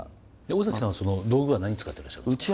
尾崎さんその道具は何使ってらっしゃるんですか？